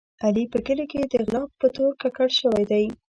علي په کلي کې د غلا په تور ککړ شوی دی.